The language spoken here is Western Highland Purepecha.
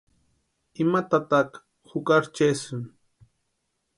Ima tataka jukari chesïni.